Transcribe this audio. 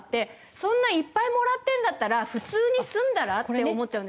そんないっぱいもらってるんだったら普通に住んだら？って思っちゃうんですよ。